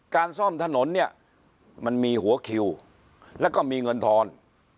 ซ่อมถนนเนี่ยมันมีหัวคิวแล้วก็มีเงินทอน